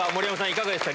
いかがでした？